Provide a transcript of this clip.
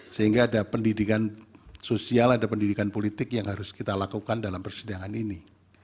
sehingga ada pendidikan sosial ada pendidikan politik yang harus kita lakukan dalam persidangan ini